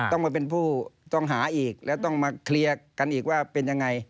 ต้องมาเป็นผู้ต้องหาอีกแล้วต้องมาเคลียร์กันอีกว่าเป็นยังไง